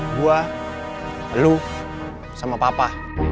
gua lu sama papa